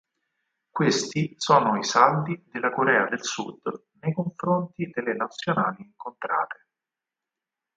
Questi sono i saldi della Corea del Sud nei confronti delle Nazionali incontrate.